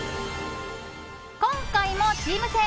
今回もチーム戦。